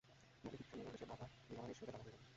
মানে কিছু সময়ের মধ্যে সে বাবা নয় সোজা দাদা হয়ে গেল।